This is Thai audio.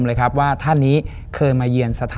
และในค่ำคืนวันนี้แขกรับเชิญที่มาเยี่ยมสักครั้งครับ